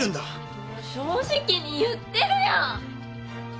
もう正直に言ってるよ！